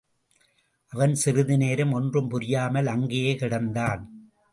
அவன் சிறிது நேரம் ஒன்றும் புரியாமல் அங்கேயே கிடந்தான்.